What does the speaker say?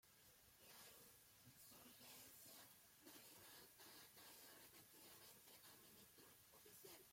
La insurgencia Talibán han atacado repetidamente a ministros oficiales.